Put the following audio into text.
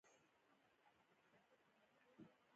د بنده په ذهن کې ناوړه تصویر جوړېږي.